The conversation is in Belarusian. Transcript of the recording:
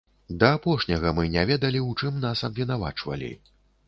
Да апошняга мы не ведалі, у чым нас абвінавачвалі.